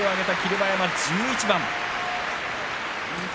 馬山１１番。